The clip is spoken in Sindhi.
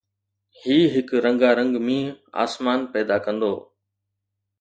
هي هڪ رنگارنگ مينهن آسمان پيدا ڪندو